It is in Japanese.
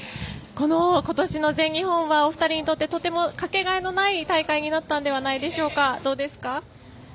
今年の全日本はお二人にとってかけがえのない大会になったのではないでしょうか。